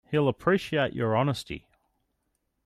He'll appreciate your honesty.